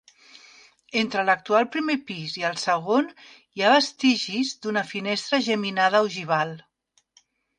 Entre l'actual primer pis i el segon, hi ha vestigis d'una finestra geminada ogival.